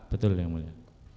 betul yang mulia